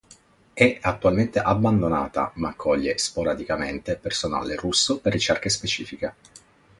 È attualmente abbandonata, ma accoglie sporadicamente personale russo per ricerche specifiche.